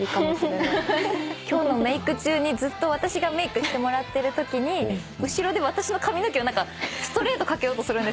今日のメーク中にずっと私がメークしてもらってるときに後ろで私の髪の毛を何かストレートかけようとするんですよ。